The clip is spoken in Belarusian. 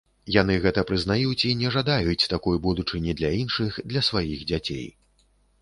Яны гэта прызнаюць і не жадаюць такой будучыні для іншых, для сваіх дзяцей.